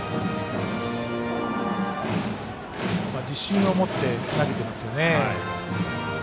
自信を持って投げてますよね。